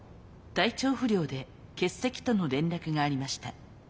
体調不良で欠席との連絡がありました。